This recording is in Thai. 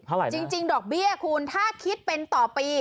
เท่าไหร่นะจริงดอกเบี้ยคุณถ้าคิดเป็นต่อปี